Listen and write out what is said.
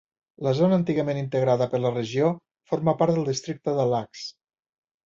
La zona antigament integrada per la regió forma part del districte de Lacs.